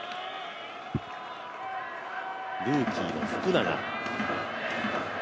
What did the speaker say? ルーキーの福永。